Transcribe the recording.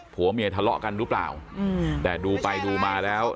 ผัวเมียทะเลาะกันหรือเปล่าอืมแต่ดูไปดูมาแล้ว